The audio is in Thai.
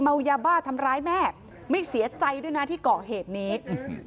เมายาบ้าทำร้ายแม่ไม่เสียใจด้วยนะที่เกาะเหตุนี้